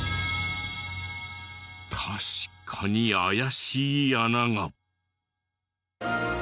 確かに怪しい穴が。